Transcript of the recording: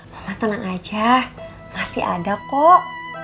bapak tenang aja masih ada kok